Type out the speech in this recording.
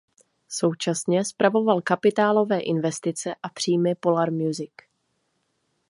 Současně spravoval kapitálové investice a příjmy Polar Music.